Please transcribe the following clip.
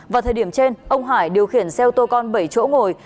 vào thời điểm trên ông hải điều khiển xe ô tô con bảy chỗ ngồi